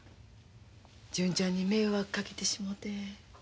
純ちゃんに迷惑かけてしもて。